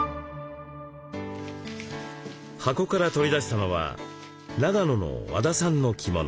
箱から取り出したのは長野の和田さんの着物。